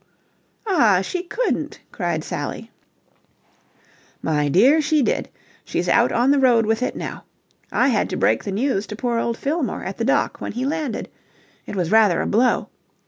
"Ah, she couldn't!" cried Sally. "My dear, she did! She's out on the road with it now. I had to break the news to poor old Fillmore at the dock when he landed. It was rather a blow.